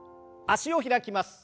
脚を開きます。